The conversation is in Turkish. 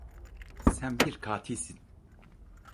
Sen bir katilsin!